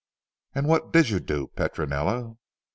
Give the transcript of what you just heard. "And what did you do Petronella?"